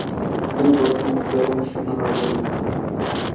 তিনি প্রথম ব্যারণ সিনহা নামে পরিচিত ছিলেন।